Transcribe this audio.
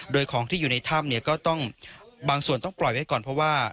โดยของที่อยู่ในถ้ำเนี่ยก็ต้องบางส่วนต้องปล่อยไว้ก่อนเพราะว่า